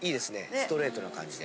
ストレートな感じで。